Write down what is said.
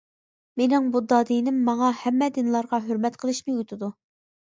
مېنىڭ بۇددا دىنىم ماڭا ھەممە دىنلارغا ھۆرمەت قىلىشنى ئۆگىتىدۇ.